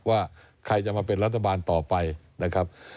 ว่าใครจะมาเป็นรัฐบาลต่อไปนะครับ